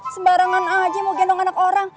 sembarangan aja mau gendong anak orang